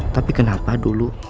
tapi kenapa dulu